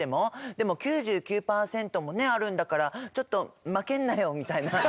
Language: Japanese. でも９９％もねあるんだからちょっと「負けんなよ」みたいな。